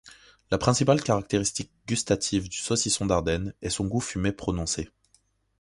La principale caractéristique gustative du saucisson d'Ardenne est son goût fumé prononcé.